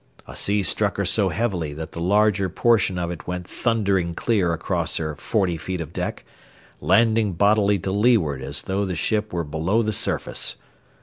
A sea struck her so heavily that the larger portion of it went thundering clear across her forty feet of deck, landing bodily to leeward as though the ship were below the surface.